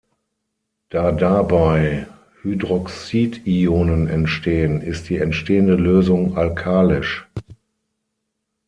Da dabei Hydroxidionen entstehen, ist die entstehende Lösung alkalisch.